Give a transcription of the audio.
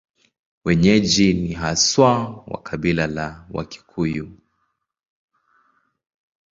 Wenyeji ni haswa wa kabila la Wakikuyu.